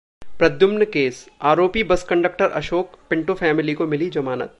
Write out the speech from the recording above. Pradyumna case: आरोपी bus conductor Ashok, Pinto family को मिली जमानत